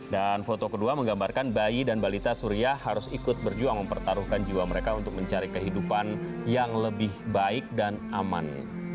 dan foto kedua menggambarkan bayi dan balita surya harus ikut berjuang mempertaruhkan jiwa mereka untuk mencari kehidupan yang lebih baik dan aman